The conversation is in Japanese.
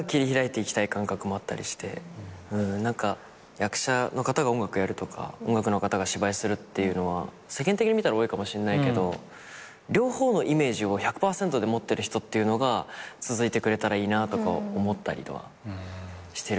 役者の方が音楽やるとか音楽の方が芝居するっていうのは世間的に見たら多いかもしんないけど両方のイメージを１００％で持ってる人っていうのが続いてくれたらいいなとか思ったりとかしてるかな。